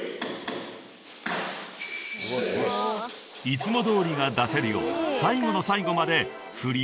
［いつもどおりが出せるよう最後の最後まで振りを体に染み込ませます］